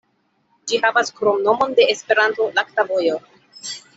Ĝi havas kromnomon de Esperanto, "Lakta vojo".